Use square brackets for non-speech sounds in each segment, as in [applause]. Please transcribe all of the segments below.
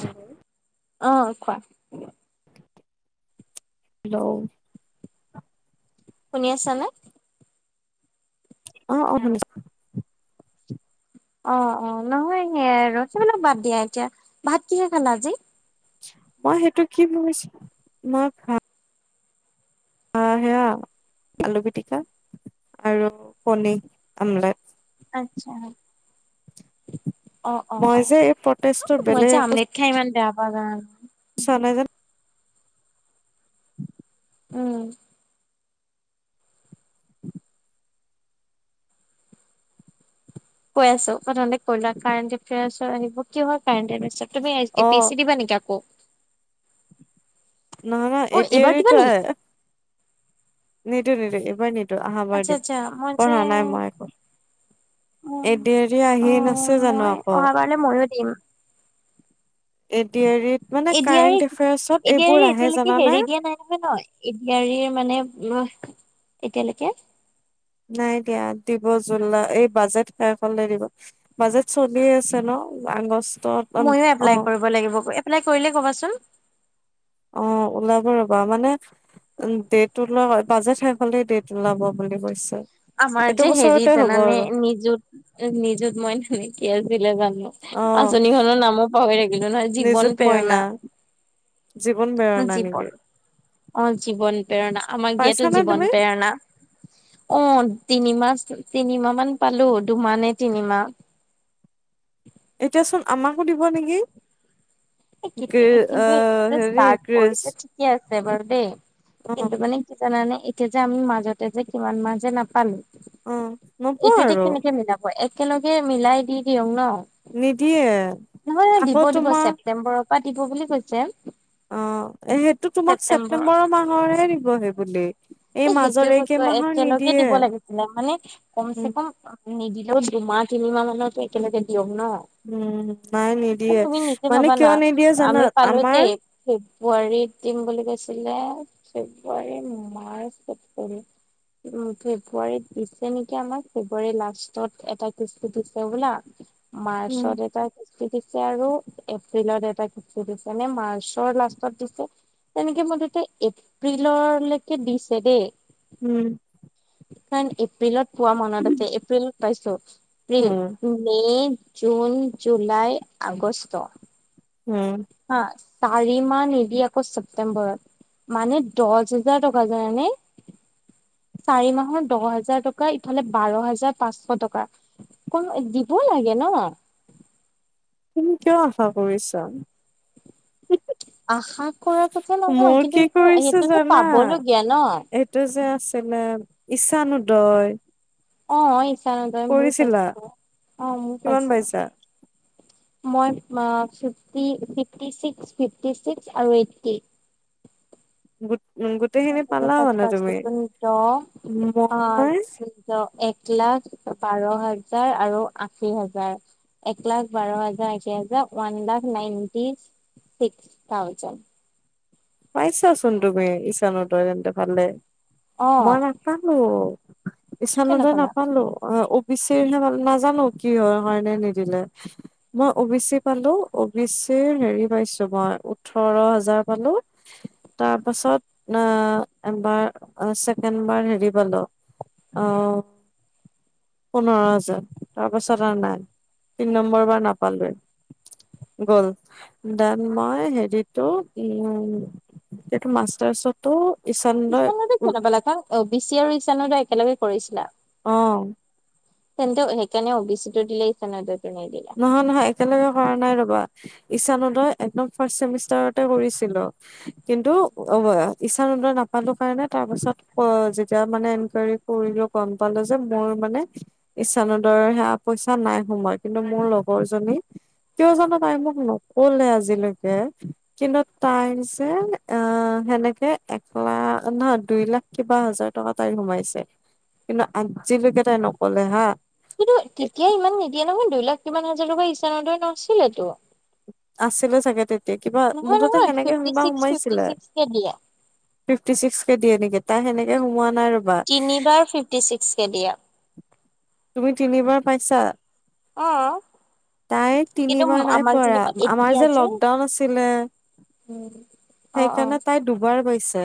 Hello! অঁ কোৱা। Hello! শুনি আছা নে? অঁ অঁ শুনিছো। অ অ নহয় সেইয়া সেইবিলক বাদ দিয়া এতিয়া ভাত কিহে খালা আজি? মই সেইটো কি ভাবিছো মই ভা সেয়া আলু পিটিকা আৰু কনীৰ আমলেট। আচ্ছা অ অ মই অ যে এই প্ৰটেষ্টৰ মই বেলেগ যে একো আমলেট খাই ইমান বেয়া পাওঁ জানানে [unintelligible] উম। কৈ আছো প্ৰথমতে কলা কাৰেণ্ট এফয়াৰ্চ আহিব কিহৰ কাৰেণ্ট এ পিছে তুমি অ এ পি এ চি দিবা নেকি আকৌ? নহয় নহয় এ অ', ডি এইবাৰ আৰ ই দিবা নেকি? তোহে নিদো নিদো এইবাৰ নিদো আহা বাৰ আচ্ছা দিম আচ্ছা, মই যে পঢ়া নাই মই একো। অ', এ ডি আৰ ই আহি আছে জানো মই আকৌ? অহাবাৰলে ময়ো দিম। A D R E A D R E, A D R E এতিয়ালৈকে জানানে হেৰি দিয়া নাই নহয় ন? এ ডি আৰ ই মানে আহ এতিয়ালৈকে। নাই দিয়া, দিব জুলাই এই বাজেট শেষ হলে দিব। বাজেট চলি আছে ন আগষ্টত। মইয়ো অ এপ্লাই কৰিব লাগিব গৈ এপ্লাই কৰিলে ক'বাচোন। অঁ ওলাব ৰবা মানে উম ডেট ওলোৱা বাজেত শেষ হলেই ডেট ওলাব বুলি কৈছে। আমাৰ এইটো যে হেৰি বছৰতে হ'ব জানানে আৰু নিজুত নিজুত মইনা নে কি আছিলে জানো অ আঁচনি খনৰ নামো পাহৰি থাকিলো নহয় নিজুত জীৱন মইনা প্ৰেৰণা। জীৱন প্ৰেৰণা নেকি? জীৱন অ জীৱন প্ৰেৰণা আমাক দিয়াতো পাইছানে তুমি? জীৱন প্ৰেৰণা। অ' তিনিমাহ, তিনিমাহ মান পালোঁ দুমাহ নে তিনিমাহ। এতিয়াচোন আমাকো দিব নেকি। কিন্তু গ্ৰে [unintelligible] এতিয়া অ যে হেৰি ষ্টাৰ্ট গ্ৰেছ কৰিছে ঠিকে আছে বাৰু দেই অ কিন্তু মানে কি জানানে এতিয়া যে আমি মাজতে যে কিমান মাহ যে নাপালোঁ অ নোপোৱা এইটো এতিয়া আৰু কেনেকে মিলাব, একেলগে মিলাই দি দিয়ক ন'। নিদিয়ে, আকৌ তোমাৰ নম্বেৰৰ পৰা দিব বুলি কৈছে। অ সেইটো তোমাক ছেপ্তেম্বৰ ছেপটেম্বৰৰ মাহৰহে দিব সেই বুলি, এই মাজৰ এই কেইমাহৰ নিদিয়ে। তাৰমানে উম কমচেকম নিদিলেও দুমাহ তিনিমাহ মানৰতো একেলগে দিয়ক ন'। উম, নাই নিদিয়ে, তুমি নিজে মানে ভাবা না কিয় নিদিয়ে জানা আমি পালো আমাৰ দেই ফেব্ৰুৱাৰীত দিম বুলি কৈছিলে। February, March, April. উ, ফেব্ৰুৱাৰীত দিছে নেকি আমাক, ফেব্ৰুৱাৰী লাষ্টত এটা কিস্তি দিছে হ'বলা। উম, মাৰ্চত এটা কিস্তি দিছে আৰু এপ্ৰিলত এটা কিস্তি দিছে নে মাৰ্চৰ লাষ্টত দিছে। তেনেকে মুঠতে এপ্ৰিললৈকে দিছে দেই। উম। কাৰণ এপ্ৰিলত পোৱা মনত আছে, এপ্ৰিলত পাইছোঁ। April, um, May, June, July, August. হুম। হা, চাৰিমাহ নিদিয়াকৈ চেপ্তেম্বৰত। মানে দহ হোজাৰ টকা জানানে। চাৰি মাহৰ দহ হাজাৰ টকা, ইফালে বাৰ হাজাৰ পাঁচশ টকা। অকন দিব লাগে ন'। তুমি কিয় আশা কৰিছা? আশা কৰা কথা নহয় মোৰ কিন্তু কি কৰিছে সেইটোতো জানা? পাবলগীয়া ন'। এইটো যে আছিলে ইছান উদয়। অ' ইছান উদয় ময়ো পাইছোঁ, অ' ময়ো কিমান পাইছোঁ। পাইছা? মই আ, fifty fifty six, fifty six আৰু এইটটি। গোটেইখিনি পালা পাঁচ মানে পাঁচ তুমি। দুগুণ দহ মই এক লাখ বাৰ হাজাৰ আৰু আশী হাজাৰ। এক লাখ বাৰ হাজাৰ, আশী হাজাৰ, ওৱান লাখ নাইনটিক্স থাউজেণ্ড। পাইছাচোন তুমি ইছান উদয় তেন্তে ভালে। অ মই নাপালোঁ ইছান কিয় উদয় নাপালা নাপালোঁ। অ' অ বি চিৰহে নাজানো কি হয় হয়নে নিদিলে। মই অবিচি পালোঁ অবিচিৰ হেৰি পাইছোঁ মই ওঠৰ হাজাৰ পালোঁ তাৰপাছত অ' এবাৰ ছেকেণ্ড বাৰ হেৰি পালোঁ অ' পোন্ধৰ হাজাৰ তাৰপাছত আৰু নাই, তিন নম্বৰ বাৰ নাপালোয়ে। গ'ল দেন মই হেৰিটো উম এতিয়াতো মাষ্টাৰ্চতো ইছান উদয় [unintelligible] নাপালা কাৰণ অবিচি আৰু ইছান উদয় একেলগে কৰিছিলা। অ'। তেন্তে সেইকাৰণে অবিচিটো দিলে, ইছান উদয়টো নিদিলে। নহয় নহয় একেলগে কৰা নাই ৰ'বা, ইছান উদয় একদম ফাৰ্ষ্ট ছেমিছ তৰতে কৰিছিলোঁ কিন্তু অ' ইছান উদয় নাপালোঁ কাৰণে তাৰ পাছত অ যেতিয়া মানে এনকাৰী কৰিলো গম পালো যে মোৰ মানে ইছানুদয়ৰ সেয়া পইচা নাই সোময় কিন্তু মোৰ লগৰ জনী কিয় জানো তাই মোক নকলে আজিলৈকে কিন্তু তাই যে আহ সেনেকে এক লাখ নহয় দুই লাখ কিবা হাজাৰ টকা তাই সোমাইছে কিন্তু আজিলৈকে তাই নকলে হা। কিন্তু তেতিয়া ইমান নিদিয়ে নহয় দুই লাখ কিমান হাজাৰ টকা ইছাহনুদৈ নছিলেতো। আছিলে চাগে তেতিয়া কিবা নহয় মুঠতে নহয় সেনেকে ফিফটি সুনিবা ছিক্স ফিফটি সোমাইছিলে। ছিক্স কে দিয়ে ফিটি ছিক্ক কে দিয়ে নেকি তাই সেনে সোমোৱা নাই ৰ তিনিবাৰ ফিফটি ছিক্স কে দিয়ে। তুমি তিনিবাৰ পাইছা? অ। তাই কিন্তু তিনিবাৰ নাই আমাক পৰা, যেনিবা আমাৰ এতিয়া যে লকডাউন আছিলে। উম, অ। সেই অ কাৰনে তাই দুবাৰ পাইছে।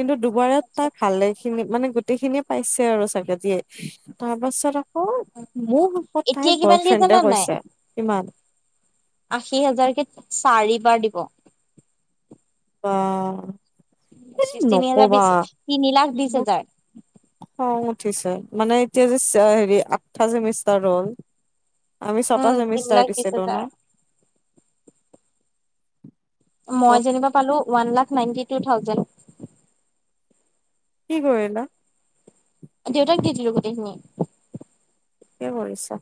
কিন্তু দুবাৰত আচ্ছা তাক আচ্ছা। ভালে খিনি মানে গোটেই খিনিয়ে পাইছে আৰু চাগেতিয়ে, তাৰ পাছত আও অ, মোৰ শপত এতিয়া তাই কিমান দিয়ে জানা বয়ফ্ৰেণ্ডে নাই কৈছে, কিমান? আশী হাজাৰ কে চাৰিবাৰ দিব। তহ। [inaudible] দিছে, তিনি লাখ বিছ মোৰ হাজাৰ। খং উঠিছে মানে এতিয়া যে হেৰি আঠটা চেমিষ্টাৰ হ'ল। আমি ছটা উম তিনি চেমিষ্টাৰ লাখ বিশ দিছিলো হাজাৰ ন? মই ক'ত যেনিবা পালো one lakh ninety two thousand. কি কৰিলা? দেউতাক দি দিলো গোটেইখিনি। কি কৰিছ?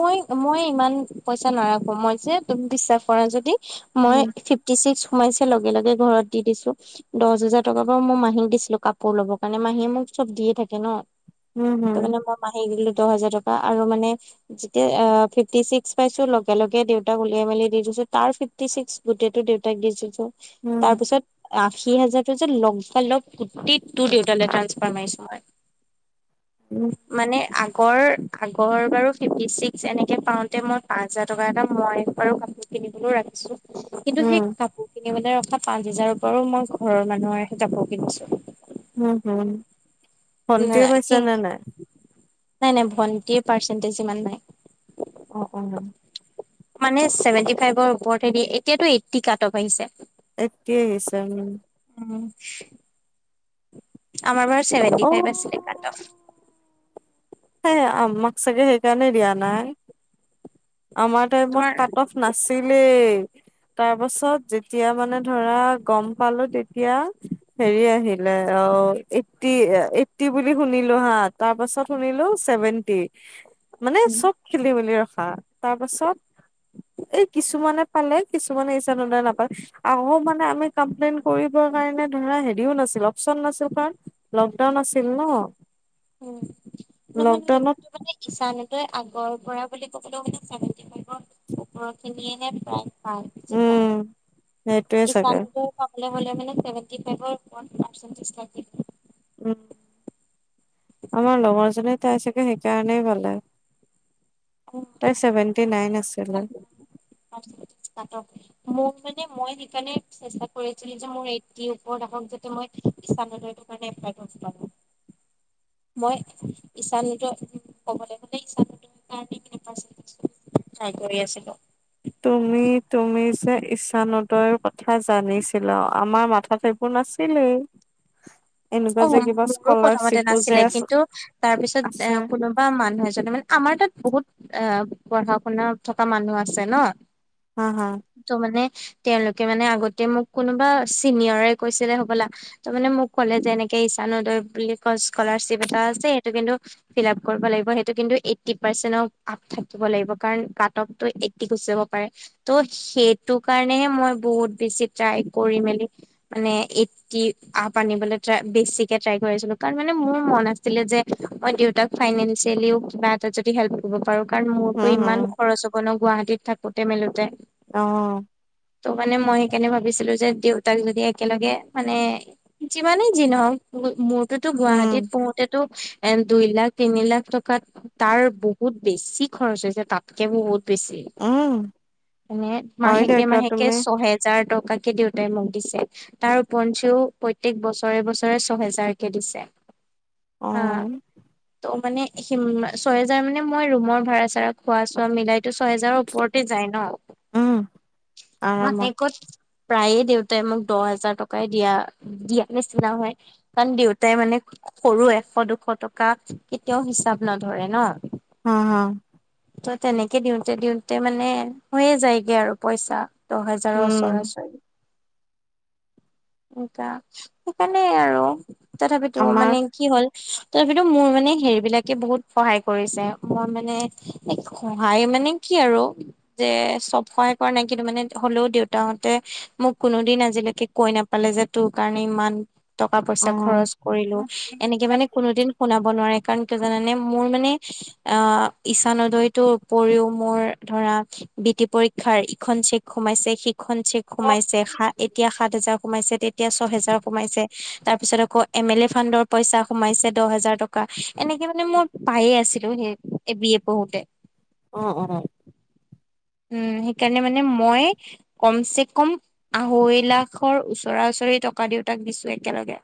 মই মই ইমান পইচা নাৰাখো মই যে তুমি বিশ্বাস কৰা যদি মই উম ফী টি ছিক্স সোমাইছে লগে লগে ঘৰত দি দিছো। দহ হেজাৰ টকা বাৰু মই মাহীক দিছিলো কাপোৰ লবৰ কাৰণে, মাহীয়ে মোক চব দিয়ে থাকে ন। হম ত হম মানে মই মাহী দিলো দহ হাজাৰ টকা আৰু মানে যেতিয়া ফিফটি ছিক্স পাইছো লগে লগে দেউতাক উলিয়াই মেলি দি দিছো, তাৰ ফিফটি চিক্স গোটেইটো দেউতাক দি দিছোঁ, উম তাৰপিছত আশী হাজাৰটো যে লগা লগ গোটেই তোৰ দেউতালৈ ট্ৰানসফাৰ মাৰিছো মই। [unintelligible] উ মানে আগৰ আগৰ বাৰু ফিফটি ছিক্স এনেকে পাওঁতে মই পাচহেজাৰ টকা এটা মই বাৰু কাপোৰ কিনিবলৈ ৰাখিছোঁ। কিন্তু সেই উম কাপোৰ কিনিবলৈ ৰখা পাঁচ হাজাৰৰ পৰাও মই ঘৰৰ মানুহৰহে কাপোৰ কিনিছোঁ। উম হুম, ভটিয়ে কি পাইছে নে নাই? নাই নাই ভণ্টিযৰ পাৰ্চেন্টেজ ইমান নাই। অ অ। মানে ছেভেনটি ফাইভৰ ওপৰতহে দিয়ে, এতিয়াতো এটী কাট অফ আহিছে। তাকেই চাম। উম। আমাৰ বাৰু ছেভেটি অ ফাইভ আছিল কাটফ। সেই আমাক চাগে সেইকাৰণে দিয়া নাই, আমাৰ টাইমত তোমাৰ কাট অফ না আছিলেই তাৰ পাছত যেতিয়া মানে ধৰা গম পালোঁ তেতিয়া হেৰি আহিলে অ এইটটি এইটটি বুলি শুনিলোঁ হা তাৰ পাছত শু শুনিলোঁ ছেভেনটি মানে চব খেলি মেলি ৰখা তাৰপাছত এই কিছুমানে পালে কিছুমানে ইচ্ছা নিদিলে নাপা আহও মানে আমি কমপ্লেইন কৰিবৰ কাৰণে ধৰা হেৰিও নাছিল অপচন নাছিল কাৰণ লকডাউন আছিল ন উম নহয় নহয় লকডাউনত কিন্তু মানে ইচ্ছা অনুদয় আগৰ পৰা বুলি ক'বলৈ গলে ছেভেনটি ফাইভৰ ওপৰ খিনিয়েহে পায় হয় বুজিছা উম সেইটোয়ে ইচ্ছা চাগে অনুদয় চাবলৈ গ'লে মানে ছেভেনটি ফাইভৰ ওপৰত পাৰ্চেন্টিজ লাগে উম আমাৰ লগৰজনে তাই চাগে সেইকাৰণেই পালে তাইৰ চেভেনটি নাইন আছিলে পাৰ্চেন্টিজ কাটফ মোৰ মানে মই সেইকাৰণে চেষ্টা কৰিছিলোঁ যে মোৰ এইটটি ওপৰত আহক যাতে মই ইচানোদয় তাকে এপ্লেই কৰিচিলোং মই ইশানুটো উ ক'বলৈ গ'লে ইশানুতো পাওঁ নেকি পাৰ্চেণ্টিচ ট্ৰাই কৰি আছিলোঁ তুমি তুমি যে ঈশানোদয়ৰ কথা জানিছিলা আমাৰ মাথাত সেইবো বোৰ নাছিলেই এনেকুৱা অ যে কিবা মোৰো প্ৰথমতে স্কলাৰশ্বিপো যে নাছিলে আছ কিন্তু তাৰ পিছত এ আছে কোনো কোনোবা মানুহ এজনে মানে আমাৰ তাত বহুত অ পঢ়া শুনা থকা মানুহ আছে ন হা হা ত' মানে তেওঁলোকে মানে আগতে মোক কোনোবা চিনিয়ৰে কৈছিলে হ'বলা ত মানে মোক কলে যে এনেকে ঈচানোদয় বুলি কৰ্চ স্কলাৰশ্বিপ এটা আছে সেইটো কিন্তু ফিলাপ কৰিব লাগিব সেইটো কিন্তু এইটটি পাৰ্চেনৰ আপ থাকিব লাগিব কাৰণ কাটপটো এক গুচি যাব পাৰে ত' সেইটো কাৰণেহে মই বহুত বেছি ট্ৰাই কৰি মেলি মানে এইটটি আপ আনিবলে ট্ৰাই বেছিকে ট্ৰাই কৰি আছিলোঁ কাৰণ মানে মোৰ মন আছিলে যে মই দেউতাক ফাইনেনচেলিও কিবা এটা হেল্প কৰিব পাৰোঁ কাৰণ উম মোৰতো হম ইমান খৰচ হ'ব ন গুৱাহাটীত থাকোতে মেলোতে অ ত' মানে মই সেইকাৰণে ভাবিছিলোঁ যে দেউতাক যদি একেলগে মানে যিমানেই যি নহওঁক মোৰতোতো উম গুৱাহাটীত পঢ়োতেতো এ দুই লাখ তিনি লাখ টকাত তাৰ বহুত বেছি খৰচ হৈছে তাতকে বহুত বেছি উম মানে হয় দে মাহেকে কিয় মাহেকে তুমি চহে হাজাৰ টকাকে দেউতাই মোক দিছে তাৰ ওপৰেঞ্চিও প্ৰতেক বছৰ বছৰে বছৰে ছহেজাৰ কে দিছে অ আহ ত' মানে সে ছয়হেজাৰ মানে মই ৰুমৰ ভাড়া চাড়া খোৱা চোৱা মিলাইতো ছয় হেজাৰৰ ওপৰত যায় উম ন আৰামত মাহেকত প্ৰায়ে দেউতাই মোক দহ হাজাৰ টকাই দিয়া দিয়া নিচিনা হয়। কাৰণ দেউতাই মানে সৰু এশ দুশ টকা কেতিয়াও হিচাপ নধৰে ন। হ হ। ত তেনেকে দিওঁতে দিওঁতে মানে হৈয়ে যায়গে আৰু পইচা। দহ হেজাৰৰ উম উচৰা উচৰি এতিয়া সেইকাৰণে আৰু তথাপিতো আমাৰ মানে কি হ'ল- তাৰপিতো মোৰ মানে হেৰিবিলাকে বহুত সহায় কৰিছে। মই মানে সহায় মানে- কি আৰু যে চব সহায় কৰা নাই কিন্তু মানে হ'লেও দেউতাহঁতে- মোক কোনো দিন আজিলৈকে কৈ নাপালে যে তোৰ কাৰণে ইমান- টকা অ পইচা খৰচ কৰিলো, এনেকে মানে- কোনোদিন শুনাব নোৱাৰে। কাৰণ কিয় জানানে? মোৰ মানে- আহ ঈচান উদয়টোৰ উপৰিও মোৰ ধৰা- বি টি পৰীক্ষাৰ ইখন চেক সোমাইছে, সি- খন চেক সোমাইছো। এতিয়া সাত হেজাৰ সোমাইছে, তেতিয়া ছয় হেজাৰ- তাৰপিছত আকৌ এম এল এ ফানৰ পইচা সোমাইছে দহ হাজাৰ টকা। এনেকে মানে মই পায়ে আছিলো সেই এ বি এ পঢ়োতে। অঁ, অঁ। উম, সেইকাৰণে মানে মই- কম চে কম আঢ়ৈ লাখৰ ওচৰা ওচৰি টকা দেউতাক দিছো একেলগে।